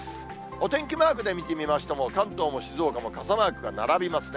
お天気マークで見てみましても、関東も静岡も傘マークが並びますね。